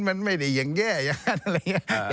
มันไม่ได้อย่างแย่อย่างนั้น